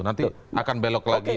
nanti akan belok lagi